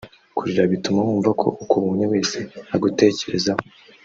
Kurira bituma wumva ko ukubonye wese agutekerezaho